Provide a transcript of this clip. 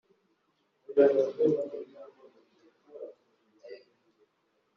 abagenerwabikorwa ni abanyarwanda